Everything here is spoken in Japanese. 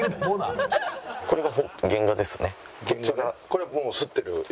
これもう刷ってる。